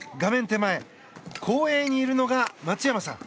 手前後衛にいるのが松山さん。